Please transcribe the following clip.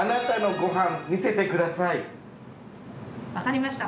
わかりました。